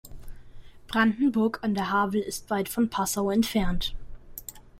Brandenburg an der Havel ist weit von Passau entfernt